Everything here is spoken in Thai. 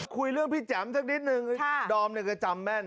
คุยเรื่องพี่แจ๋มสักนิดนึงดอมเนี่ยก็จำแม่น